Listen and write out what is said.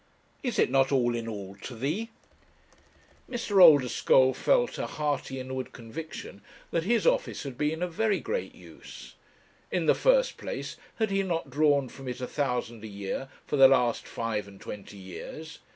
Is it not all in all to thee? Mr. Oldeschole felt a hearty inward conviction that his office had been of very great use. In the first place, had he not drawn from it a thousand a year for the last five and twenty years?